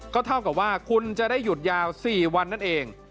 ก็เท่ากับว่าคุณจะได้หยุดยาว๔วันนั่นเอง